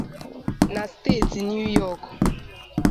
Na Steeti New York